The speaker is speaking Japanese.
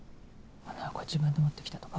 あの箱自分で持ってきたとか？